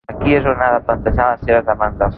Aquí és on ha de plantejar les seves demandes.